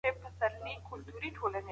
عاجزي او صبر د لويو نېکیو سرچینه ده.